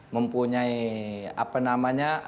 mempunyai apa namanya